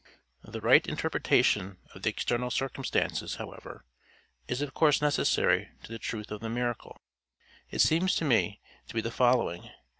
The right interpretation of the external circumstances, however, is of course necessary to the truth of the miracle. It seems to me to be the following.